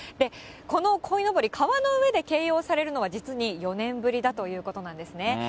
このこいのぼり、川の上で掲揚されるのは実に４年ぶりだということなんですね。